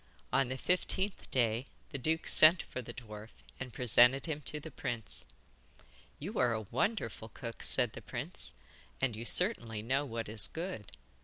On the fifteenth day the duke sent for the dwarf and presented him to the prince. 'You are a wonderful cook,' said the prince, 'and you certainly know what is good.